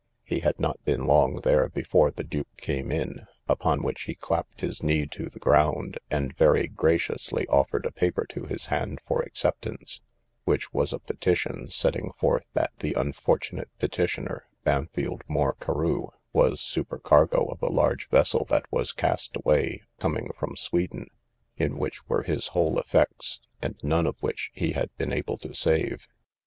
He had not been long there before the duke came in, upon which he clapped his knee to the ground, and very graciously offered a paper to his hand for acceptance, which was a petition, setting forth that the unfortunate petitioner, Bampfylde Moore Carew, was supercargo of a large vessel that was cast away coming from Sweden, in which were his whole effects, and none of which he had been able to save.